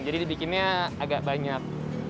jadi dibikinnya agak banyak